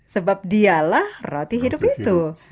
sebab dialah roti hidup itu